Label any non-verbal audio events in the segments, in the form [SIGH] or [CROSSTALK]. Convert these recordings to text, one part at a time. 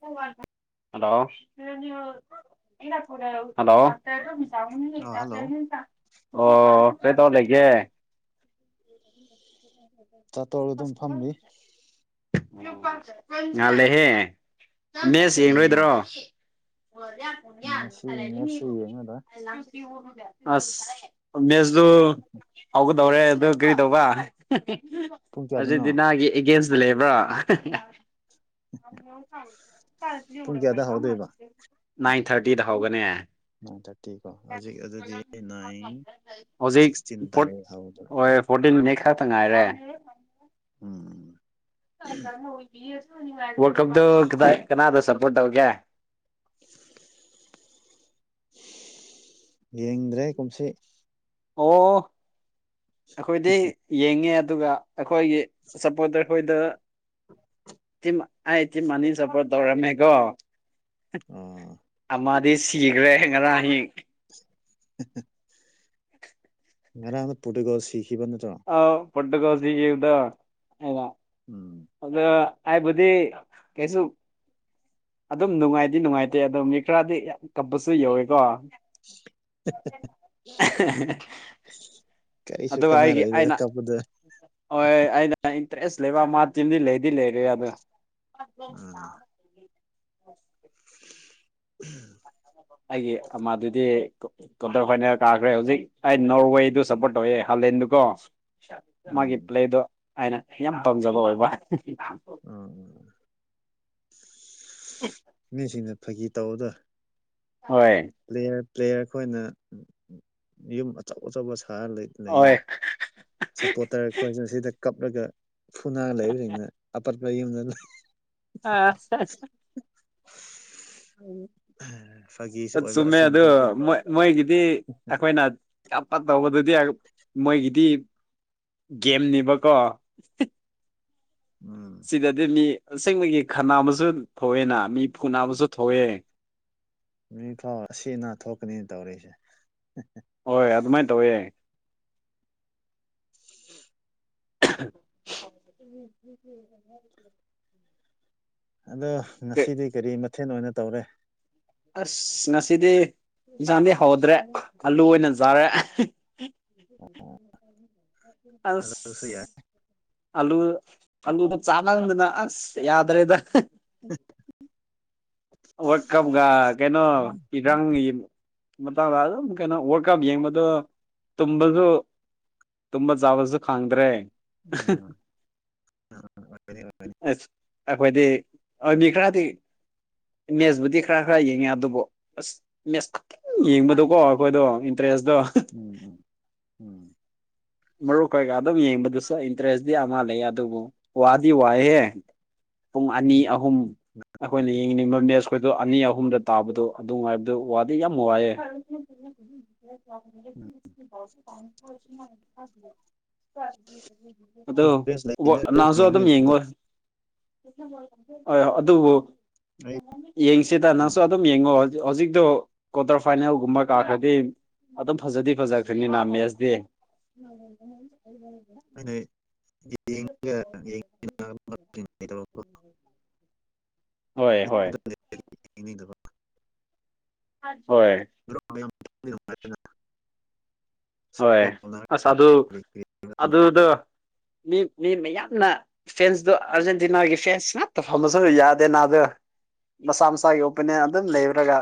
hello hello ꯑ hello ꯑꯣ ꯀꯩ ꯇꯧ ꯂꯩꯒꯦ [UNINTELLIGIBLE] ꯆꯥꯠꯇꯧꯔ ꯑꯗꯨꯝ ꯐꯝꯂꯤ [UNINTELLIGIBLE] ꯉꯥꯜꯂꯦꯍꯦ ꯃꯦꯁ ꯎꯝ ꯌꯦꯡꯂꯣꯏꯗꯔꯣ [UNINTELLIGIBLE] ꯎꯝ ꯉꯁꯤ ꯃꯦꯠꯁꯁꯦ ꯌꯦꯡꯉꯗ [UNINTELLIGIBLE] ꯑꯥꯁ ꯃꯦꯁꯗꯨ ꯍꯧꯒꯗꯧꯔꯦ ꯑꯗꯨ ꯀꯔꯤ ꯇꯧꯕ [UNINTELLIGIBLE] ꯄꯨꯡ ꯀꯌꯥꯗꯅꯣ ꯑꯥꯔꯖꯦꯟꯇꯤꯅꯥꯒꯤ ꯑꯦꯒꯦꯟꯁꯇ ꯂꯩꯕ꯭ꯔꯥ [UNINTELLIGIBLE] ꯄꯨꯡ ꯀꯌꯥꯗ ꯍꯧꯗꯣꯏꯕ [UNINTELLIGIBLE] ꯅꯥꯏꯟ ꯊꯥꯔꯇꯤꯗ ꯍꯧꯒꯅꯦ ꯅꯥꯏꯟ ꯊꯥꯔꯇꯤ ꯀꯣ ꯍꯧꯖꯤꯛ ꯑꯗꯨꯗꯤ ꯅꯥꯏꯟ [UNINTELLIGIBLE] ꯍꯧꯖꯤꯛ ꯁꯤꯛꯁꯇꯤꯟ ꯄꯣꯔꯠ ꯇꯥꯔꯦ ꯍꯧꯗꯣꯏꯕ ꯑꯣꯏꯌꯦ ꯐꯣꯔꯇꯤꯟ ꯃꯤꯅꯤꯠ ꯈꯛꯇ ꯉꯥꯏꯔꯦ ꯎꯝ [UNINTELLIGIBLE] ꯋꯥꯔꯜ ꯀꯞꯇꯨ ꯀꯗꯥꯏ ꯀꯅꯥꯗ ꯁꯄꯣꯔꯠ ꯇꯧꯒꯦ [UNINTELLIGIBLE] ꯌꯦꯡꯗ꯭ꯔꯦ ꯀꯨꯝꯁꯤ ꯑꯣ ꯑꯩꯈꯣꯏꯗꯤ ꯌꯦꯡꯉꯦ ꯑꯗꯨꯒ ꯑꯩꯈꯣꯏꯒꯤ ꯁꯄꯣꯔꯇꯔ ꯑꯩꯈꯣꯏꯗ [UNINTELLIGIBLE] ꯃ ꯑꯩꯗꯤ ꯃꯅꯤ ꯁꯄꯣꯔꯠ ꯇꯧꯔꯝꯃꯦꯒꯣ [UNINTELLIGIBLE] ꯑꯃ__ ꯑꯩ ꯁꯤꯒ꯭ꯔꯦ ꯉꯔꯥꯡ ꯑꯍꯤꯡ [UNINTELLIGIBLE] ꯉꯔꯥꯡꯗꯣ ꯄꯣꯔꯇꯨꯒꯜ ꯁꯤꯈꯤꯕ ꯅꯠꯇ꯭ꯔꯣ ꯑꯥꯎ ꯄꯣꯔꯇꯨꯒꯜꯁꯤꯒꯤꯕꯗꯣ ꯑꯗ ꯎꯝ ꯑꯗ ꯍꯥꯏꯕꯗꯤ ꯀꯩꯁꯨꯨ ꯑꯗꯨꯝ ꯅꯨꯡꯉꯥꯏꯗꯤ ꯅꯨꯡꯉꯥꯏꯇꯦ ꯑꯗꯣ ꯃꯤ ꯈꯔꯗꯤ ꯌꯥꯝ ꯀꯞꯄꯁꯨ ꯌꯥꯎꯏꯀꯣ [UNINTELLIGIBLE] [UNINTELLIGIBLE] ꯑꯗꯨꯒ ꯑꯩꯒꯤ ꯀꯥꯟꯅꯔꯣꯏꯗ ꯑꯩꯅ ꯀꯞꯄꯗ ꯍꯣꯏ ꯑꯩꯅ ꯏꯟꯇꯔꯦꯁ ꯂꯩꯕ ꯑꯃ ꯇꯤꯝꯗꯤ ꯂꯩꯗꯤ ꯂꯩꯔꯤꯌꯦ ꯑꯗꯣ ꯑꯥ [UNINTELLIGIBLE] ꯑꯩꯒꯤ ꯑꯃꯗꯨꯗꯤ [UNINTELLIGIBLE] ꯀ꯭ꯋꯥꯇꯔꯐꯥꯏꯅꯦꯜ ꯀꯥꯈ꯭ꯔꯦ ꯍꯧꯖꯤꯛ ꯑꯩ ꯅꯣꯔꯋꯦꯗꯨ ꯁꯞꯄꯣꯔꯠ ꯇꯧꯋꯦ ꯍꯥꯂꯦꯟꯗꯨꯀꯣ ꯃꯥꯒꯤ ꯎꯝ ꯄ꯭ꯂꯦꯗꯣ ꯑꯩꯅ ꯌꯥꯝ ꯄꯥꯝꯖꯕ ꯑꯣꯏꯕ [UNINTELLIGIBLE] ꯑꯥ ꯑꯥ ꯑ [UNINTELLIGIBLE] ꯃꯤꯁꯤꯡꯅ ꯐꯥꯒꯤ ꯇꯧꯕꯗꯣ ꯍꯣꯏ ꯭ꯄ꯭ꯂꯦꯌꯔ ꯄ꯭ꯂꯦꯌꯔ ꯑꯩꯈꯣꯏꯅ ꯎꯝ ꯎꯝ ꯌꯨꯝ ꯑꯆꯧ ꯑꯆꯧꯕ ꯁꯥꯔ ꯂꯩꯌꯦ ꯍꯣꯏ ꯁꯄꯣꯔꯇꯔ ꯑꯩꯈꯣꯏꯅ ꯁꯤꯗ ꯀꯞꯂꯒ ꯐꯨꯅꯥꯔ ꯂꯩꯕꯁꯤꯡꯅ ꯑꯄꯠꯄ ꯌꯨꯝ [UNINTELLIGIBLE] ꯑꯥ [UNINTELLIGIBLE] [UNINTELLIGIBLE] ꯐꯥꯒꯤ ꯑ ꯆꯨꯝꯃꯦ ꯑꯗꯨ ꯃꯣꯏ ꯃꯣꯏꯒꯤꯗꯤ ꯑꯩꯈꯣꯏꯅ ꯀꯞ ꯀꯞ ꯇꯧꯕꯗꯨꯗꯤ [UNINTELLIGIBLE] ꯃꯣꯏꯒꯤꯗꯤ ꯒꯦꯝꯅꯤꯕꯀꯣ ꯎꯝ ꯁꯤꯗꯗꯤ ꯃꯤ ꯑꯁꯦꯡꯕꯒꯤ ꯈꯥꯟꯅꯕꯁꯨ ꯊꯣꯛꯑꯦꯅ ꯃꯤ ꯐꯨꯅꯕꯁꯨ ꯊꯣꯛꯑꯦ ꯃꯤ ꯐꯥꯎ ꯑꯁꯤꯅꯥ ꯊꯣꯛꯀꯅꯦꯅ ꯇꯧꯔꯤꯁꯦ ꯍꯣꯏ ꯑꯗꯨꯃꯥꯏ ꯇꯧꯋꯦ [UNINTELLIGIBLE] [INAUDIBLE] ꯑꯗꯣ ꯉꯁꯤꯗꯤ ꯀꯔꯤ ꯃꯊꯦꯜ ꯑꯣꯏꯅ ꯇꯧꯔꯦ ꯑꯁ ꯉꯁꯤꯗꯤ ꯌꯦꯟꯁꯥꯡꯗꯤ ꯍꯧꯗ꯭ꯔꯦ ꯑꯂꯨ ꯑꯣꯏꯅ ꯖꯥꯔꯦ ꯑꯗꯨꯁꯨ ꯑꯁ ꯌꯥꯏ ꯑꯂꯨ ꯑꯂꯨꯗ ꯆꯥꯃꯗꯅ ꯑꯁ ꯌꯥꯗ꯭ꯔꯦꯗ ꯋꯥꯔꯜꯀꯝꯒ ꯀꯩꯅꯣ ꯏꯔꯪꯌꯦ ꯃꯇꯥꯡꯗ ꯑꯗꯨꯝ ꯀꯩꯅꯣ ꯋꯥꯔ ꯀꯞ ꯌꯦꯡꯕꯗꯣ ꯇꯨꯝꯕꯁꯨ ꯇꯨꯝꯕ ꯆꯥꯕꯁꯨ ꯈꯪꯗ꯭ꯔꯦ ꯎꯝ ꯑꯁ ꯑꯩꯈꯣꯏꯗꯤ ꯃꯤ ꯈꯔꯗꯤ ꯃꯦꯁꯕꯨꯗꯤ ꯈꯔ ꯈꯔ ꯌꯦꯡꯉꯦ ꯑꯗꯨꯕꯨ ꯃꯦꯁ [UNINTELLIGIBLE] ꯌꯦꯡꯕꯗꯣꯀꯣ ꯑꯩꯈꯣꯏꯗꯣ ꯏꯟꯇꯔꯦꯁꯇꯣ ꯎꯝ ꯎꯝ ꯎꯝ ꯃꯔꯨ ꯈꯣꯏꯒ ꯑꯗꯨꯝ ꯌꯦꯡꯕꯗꯨꯁꯨ ꯏꯟꯇꯔꯦꯁꯇꯤ ꯑꯃ ꯂꯩ ꯑꯗꯨꯕꯨ ꯋꯥꯗꯤ ꯋꯥꯏꯍꯦ ꯄꯨꯡ ꯑꯅꯤ ꯎꯝ ꯑꯍꯨꯝ ꯑꯩꯈꯣꯏꯅ ꯌꯦꯡꯅꯤꯡꯕ ꯃꯦꯠꯆꯈꯣꯏꯗꯣ ꯑꯅꯤ ꯑꯍꯨꯝꯗ ꯇꯥꯕꯗꯣ ꯑꯗꯨꯉꯥꯏꯕꯗꯨ ꯋꯥꯗꯤ ꯌꯥꯝ ꯋꯥꯏꯑꯦ [INAUDIBLE] ꯎꯝ [UNINTELLIGIBLE] ꯑꯗꯣ ꯏꯟꯇꯔꯦꯁ [UNINTELLIGIBLE] ꯑꯗꯨꯝ ꯂꯩꯅꯀꯣ ꯌꯦꯡꯉꯣꯏ ꯍꯣꯏ ꯑꯗꯨꯕꯨ ꯑꯩ ꯌꯦꯡꯁꯤꯗ ꯎꯝ ꯅꯪꯁꯨ ꯑꯗꯨꯝ ꯌꯦꯡꯉꯣ ꯍꯧꯖꯤꯛꯇꯣ ꯀ꯭ꯋꯥꯇꯔ ꯐꯥꯏꯅꯦꯜꯒꯨꯝꯕ ꯀꯥꯈ꯭ꯔꯗꯤ ꯑꯗꯨꯝ ꯐꯖꯗꯤ ꯐꯖꯈ꯭ꯔꯅꯤꯅ ꯃꯦꯠꯁꯇꯤ [INAUDIBLE] [INAUDIBLE] ꯍꯣꯏ ꯍꯣꯏ [UNINTELLIGIBLE] ꯍꯣꯏ [INAUDIBLE] ꯍꯣꯏ ꯁꯞꯄꯣꯔꯠ ꯑꯁ ꯇꯧꯅꯔꯒ ꯑꯗꯨ ꯀꯔꯤ ꯀꯔꯤ ꯑꯗꯨꯗꯣ ꯃꯤ ꯃꯤ ꯃꯌꯥꯝꯅ ꯐꯦꯟꯁꯇꯣ ꯑꯥꯔꯖꯦꯟꯇꯤꯅꯥꯒꯤ ꯐꯦꯟꯁ ꯉꯛꯇ ꯐꯃꯁꯨ ꯌꯥꯗꯦ ꯅꯥꯗ ꯃꯁꯥ ꯃꯁꯥꯒꯤ ꯑꯣꯄꯤꯅꯤꯌꯟ ꯑꯗꯨꯝ ꯂꯩꯕꯨꯔꯒ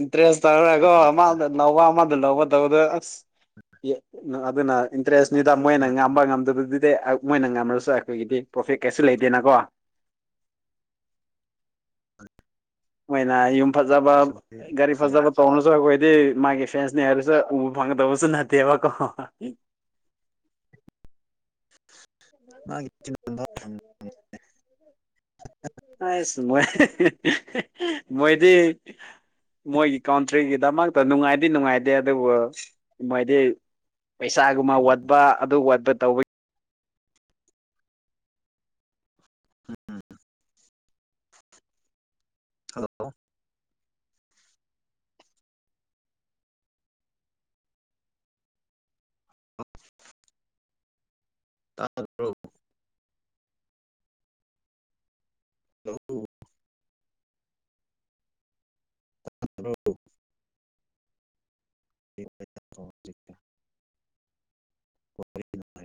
ꯏꯟꯇ꯭ꯔꯦꯁ ꯇꯧꯔꯀꯣ ꯑꯃꯥꯗ ꯅꯧꯕ ꯑꯃꯥꯗ ꯂꯧꯕ ꯇꯧꯕꯗ ꯑꯁ ꯑꯗꯨꯅ ꯏꯟꯇꯔꯦꯁꯅꯤꯗ ꯃꯣꯏꯅ ꯉꯥꯡꯝꯕ ꯉꯝꯗꯕꯗꯨꯗꯤ ꯃꯣꯏꯅ ꯉꯝꯃꯁꯨ ꯑꯩꯈꯣꯏꯒꯤꯗꯤ ꯄ꯭ꯔꯣꯐꯤꯠ ꯀꯩꯁꯨ ꯂꯩꯇꯦꯅꯀꯣ ꯃꯣꯏꯅ ꯌꯨꯝ ꯐꯖꯕ ꯒꯥꯔꯤ ꯐꯖꯕ ꯇꯣꯡꯔꯁꯨ ꯑꯩꯈꯣꯏꯗꯤ ꯃꯥꯒꯤ ꯐ꯭ꯔꯦꯟꯁꯅꯤ ꯍꯥꯏꯔꯁꯨ ꯎꯕ ꯐꯪꯒꯗꯕꯁꯨ ꯅꯠꯇꯦꯕꯀꯣ ꯃꯥꯒꯤ [UNINTELLIGIBLE] [INAUDIBLE] ꯑꯥꯏꯁ ꯃꯣꯏ ꯃꯣꯏꯗꯤ ꯃꯣꯏꯒꯤ ꯀꯥꯎꯟꯇ꯭ꯔꯤꯒꯤꯗꯃꯛꯇ ꯅꯨꯡꯉꯥꯏꯗꯤ ꯅꯨꯡꯉꯥꯏꯇꯦ ꯑꯗꯨꯕꯨ ꯃꯣꯏꯗꯤ ꯄꯩꯁꯥꯒꯨꯝꯕ ꯋꯥꯠꯄ ꯑꯗꯨ ꯋꯥꯠꯄ ꯇꯧꯕꯒꯤ [UNINTELLIGIBLE] ꯇꯥꯗꯣ [INAUDIBLE] [UNINTELLIGIBLE] [INAUDIBLE] [INAUDIBLE]